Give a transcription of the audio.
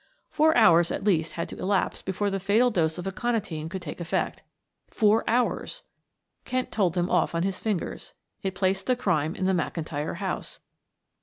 Four hours at least had to elapse before the fatal dose of aconitine could take effect four hours! Kent told them off on his fingers; it placed the crime in the McIntyre house.